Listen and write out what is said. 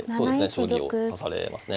将棋を指されますね。